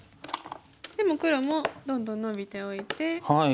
でも黒もどんどんノビておいて。